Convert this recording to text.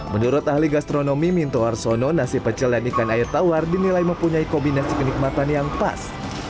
menurut ahli gastronomi minto arsono nasi pecel dan ikan air tawar dinilai mempunyai kombinasi kenikmatan yang pas